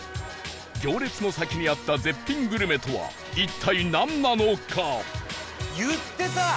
行列の先にあった絶品グルメとは一体なんなのか？